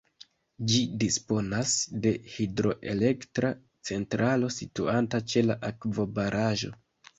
Ĝi disponas de hidroelektra centralo situanta ĉe la akvobaraĵo.